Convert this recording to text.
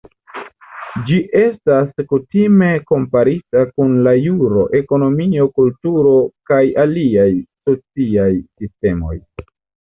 Ĝi estas kutime komparita kun la juro, ekonomio, kulturo kaj aliaj sociaj sistemoj.